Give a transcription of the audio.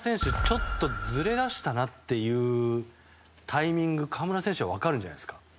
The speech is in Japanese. ちょっとずれ出したなってタイミングを河村選手は分かるんじゃないですか？